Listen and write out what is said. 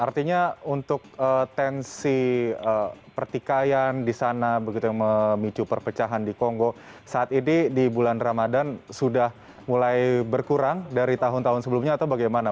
artinya untuk tensi pertikaian di sana begitu yang memicu perpecahan di kongo saat ini di bulan ramadan sudah mulai berkurang dari tahun tahun sebelumnya atau bagaimana